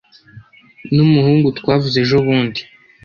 Numuhungu twavuze ejobundi.